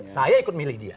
saya ikut milih dia